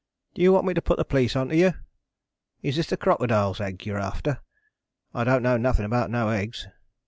Do you want me to put the police on to you? Is it the crocodile's egg you're after? I don't know nothing about 'no eggs.